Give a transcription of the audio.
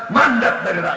mandat dari rakyat